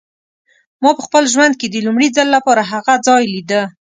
ما په خپل ژوند کې د لومړي ځل لپاره هغه ځای لیده.